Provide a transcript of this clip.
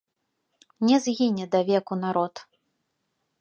Не згіне давеку народ.